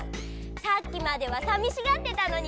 さっきまではさみしがってたのに。